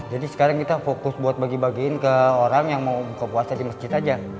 jadi sekarang kita fokus buat bagi bagiin ke orang yang mau buka puasa di masjid aja